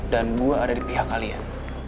dan gue ada di pihak kalian